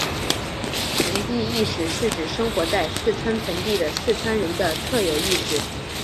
盆地意识是指生活在四川盆地的四川人的特有意识。